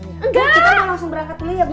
enggak kita mau langsung berangkat dulu ya bu